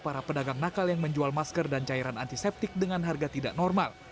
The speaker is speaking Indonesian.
para pedagang nakal yang menjual masker dan cairan antiseptik dengan harga tidak normal